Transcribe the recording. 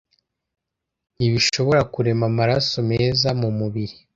ntibishobora kurema amaraso meza mu mubiri